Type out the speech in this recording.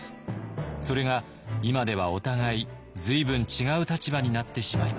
それが今ではお互い随分違う立場になってしまいました。